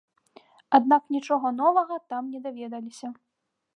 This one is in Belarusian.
Аднак нічога новага там не даведаліся.